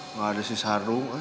enggak ada sih seharung